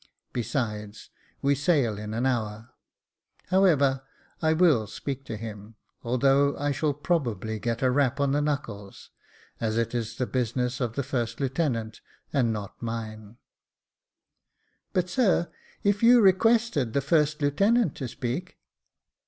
Besides, we sail in an hour. However, I will speak to him, although I shall probably ^^6 Jacob Faithful get a rap on the knuckles, as it is the business of the first lieutenant, and not mine." *' But, sir, if you requested the first lieutenant to speak